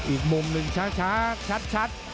อีกมุมหนึ่งช้าชัด